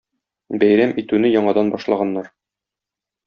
бәйрәм итүне яңадан башлаганнар.